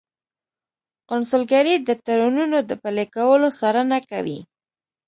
قونسلګرۍ د تړونونو د پلي کولو څارنه کوي